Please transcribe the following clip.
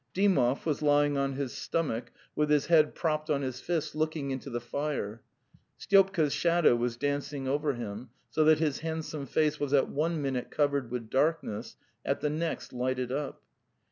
Dymov was lying on his stom — ach, with his head propped on his fists, looking into the fire. ... Styopka's shadow was dancing over him, so that his handsome face was at one minute covered with darkness, at the next lighted up...